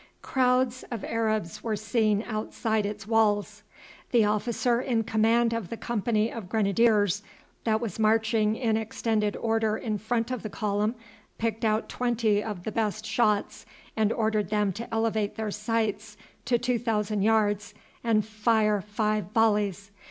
Crowds of Arabs were seen outside its walls. The officer in command of the company of Grenadiers that was marching in extended order in front of the column picked out twenty of the best shots and ordered them to elevate their sights to two thousand yards and fire five volleys.